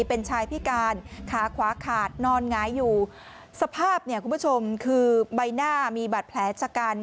เป็นชายพิการขาขวาขาดนอนหงายอยู่สภาพเนี่ยคุณผู้ชมคือใบหน้ามีบาดแผลชะกัน